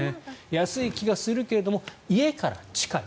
安い気がするけど家から近い。